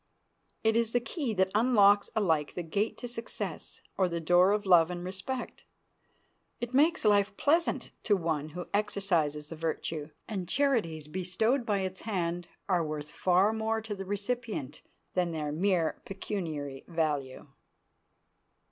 It is the key that unlocks alike the gate to success or the door of love and respect. It makes life pleasant to the one who exercises the virtue, and charities bestowed by its hand are worth far more to the recipient than their mere pecuniary value.